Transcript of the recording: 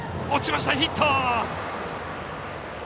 落ちました、ヒット！